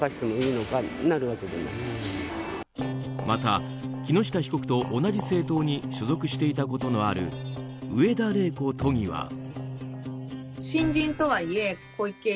また、木下被告と同じ政党に所属していたことのある上田令子都議は。